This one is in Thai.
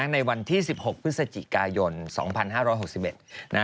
ในวันที่๑๖พฤศจิกายน๒๕๖๑